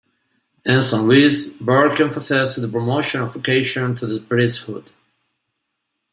In Saint Louis, Burke emphasized the promotion of vocations to the priesthood.